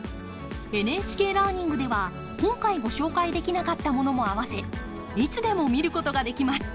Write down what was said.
ＮＨＫラーニングでは今回ご紹介できなかったものもあわせいつでも見ることができます！